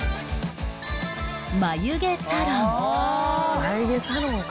眉毛サロンか。